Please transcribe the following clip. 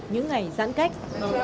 những ngày giãn cách